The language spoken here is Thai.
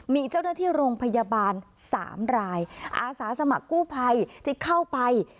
มีเจ้าหน้าที่โรงพยาบาลสามรายอาสาสมัครกู้ภัยที่เข้าไป